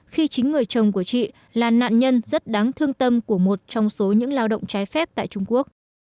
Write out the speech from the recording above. khi chính người chồng của chị là nạn nhân rất đáng thương tâm của một trong số những lao động trái phép tại trung quốc